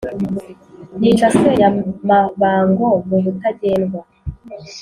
Nica Senyamabango mu Butagendwa;